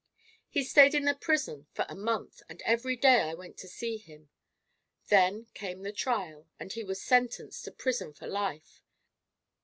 "He stayed in the prison for a month, and every day I went to see him. Then came the trial and he was sentenced to prison for life.